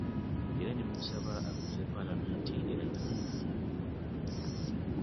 Era ne mmusaba akubirize Ppaalamenti era n'agaana.